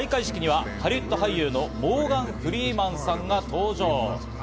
開会式にはハリウッド俳優のモーガン・フリーマンさんが登場。